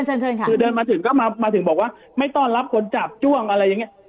เชิญค่ะเดินมาถึงก็มาถึงบอกว่าไม่ต้อนรับคนจาบจ้วงอะไรแบบเนี่ย